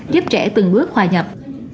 giúp trẻ từng bước hòa nhập